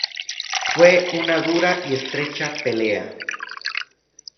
Fue una dura y estrecha pelea.